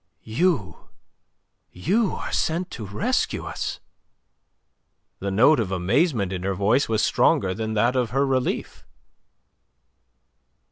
"You! You are sent to rescue us!" The note of amazement in her voice was stronger than that of her relief.